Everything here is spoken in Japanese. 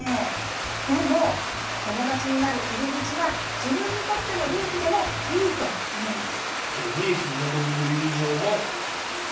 でも、友達になる入り口は自分にとっての利益でもいいというんです。